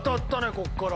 ここから。